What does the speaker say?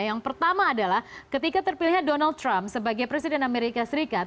yang pertama adalah ketika terpilihnya donald trump sebagai presiden amerika serikat